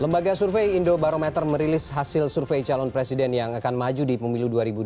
lembaga survei indobarometer merilis hasil survei calon presiden yang akan maju di pemilu dua ribu dua puluh